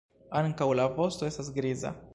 Ankaŭ la vosto estas griza.